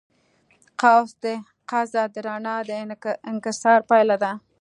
قوس قزح د رڼا د انکسار پایله ده.